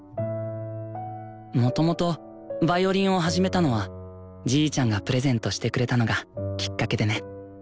もともとヴァイオリンを始めたのはじいちゃんがプレゼントしてくれたのがきっかけでね。